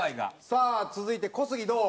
さあ続いて小杉どう？